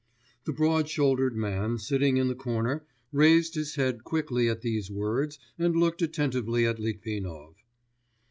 The broad shouldered man sitting in the corner raised his head quickly at these words and looked attentively at Litvinov.